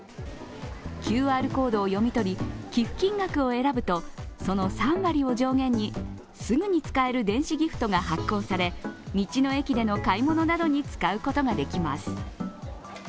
ＱＲコードを読み取り、寄付金額を選ぶとその３割を上限にすぐに使える電子ギフトが発行され道の駅での買い物などに使うことができます。